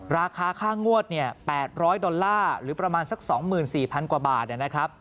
ราคาค่างวด๘๐๐ดอลลาร์หรือประมาณสัก๒๔๐๐กว่าบาทนะครับ